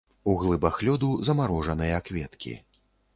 У глыбах лёду замарожаныя кветкі.